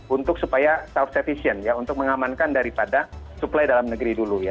untuk supaya self sufficient ya untuk mengamankan daripada suplai dalam negeri dulu ya